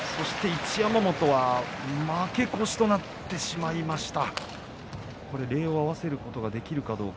一山本はこれで負け越しとなってしまいました。